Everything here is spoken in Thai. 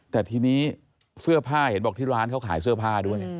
แต่ทีนี้เสื้อผ้าเห็นบอกที่ร้านเขาขายเสื้อผ้าด้วย